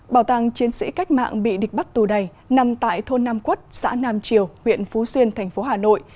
bảo tàng chiến sĩ cách mạng bị địch bắt tù đầy nằm tại thôn nam quất xã nam triều huyện phú xuyên thành phố hà nội